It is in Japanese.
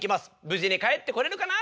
無事に帰ってこれるかな？